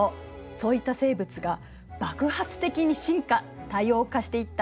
そういった生物が爆発的に進化多様化していった。